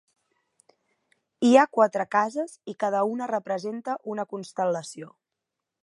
Hi ha quatre cases i cada una representa una constel·lació.